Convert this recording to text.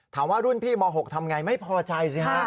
ถามว่ารุ่นพี่ม๖ทำไงไม่พอใจสิฮะ